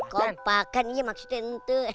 kompakan ya maksudnya itu